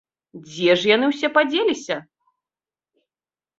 Дзе ж яны ўсе падзеліся?